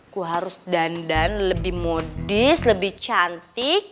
gue harus dan dan lebih modis lebih cantik